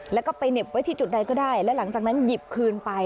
แล้วก็ไปเหน็บไว้ที่จุดใดก็ได้และหลังจากนั้นหยิบคืนไป